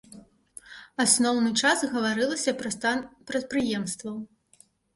Асноўны час гаварылася пра стан прадпрыемстваў.